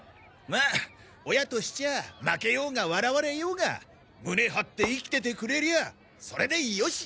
まあ親としちゃあ負けようが笑われようが胸張って生きててくれりゃあそれでよし！